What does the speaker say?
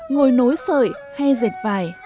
ngồi nối sợi hay diệt vải